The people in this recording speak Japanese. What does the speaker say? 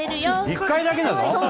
１回だけなの？